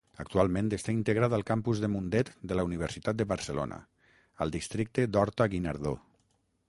Actualment està integrat al Campus de Mundet de la Universitat de Barcelona, al districte d'Horta-Guinardó.